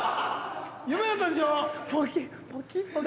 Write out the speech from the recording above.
夢だったんでしょう。